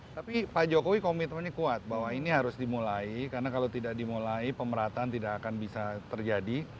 tapi pak jokowi komitmennya kuat bahwa ini harus dimulai karena kalau tidak dimulai pemerataan tidak akan bisa terjadi